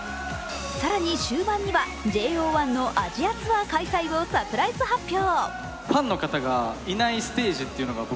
更に終盤にはＪＯ１のアジアツアー開催をサプライズ発表。